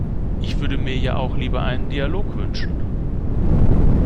Ich würde mir ja auch lieber einen Dialog wünschen.